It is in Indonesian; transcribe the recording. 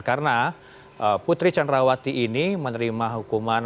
karena putri canrawati ini menerima hukuman